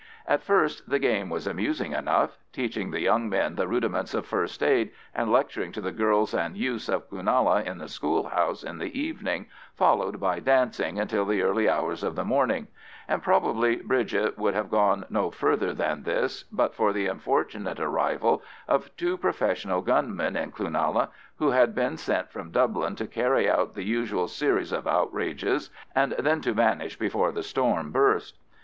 At first the game was amusing enough, teaching the young men the rudiments of first aid, and lecturing to the girls and youths of Cloonalla in the school house in the evening, followed by dancing until the early hours of the morning; and probably Bridget would have gone no further than this but for the unfortunate arrival of two professional gunmen in Cloonalla, who had been sent from Dublin to carry out the usual series of outrages and then to vanish before the storm burst.